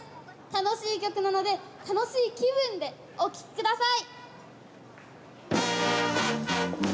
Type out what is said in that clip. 楽しい曲なので楽しい気分でお聴きください。